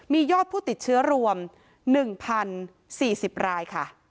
มียอดผู้ติดเชื้อรวม๑๐๔๐รายค่ะ